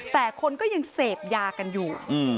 แต่คนก็ยังเสพยากันอยู่